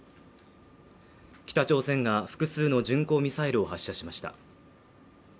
北朝鮮が複数の巡航ミサイルを発射しました。